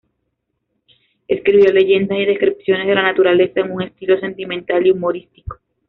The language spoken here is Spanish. Escribió leyendas y descripciones de la naturaleza en un estilo sentimental y humorístico.